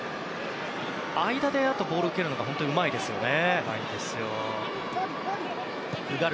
間でボールを受けるのが本当にうまいですね。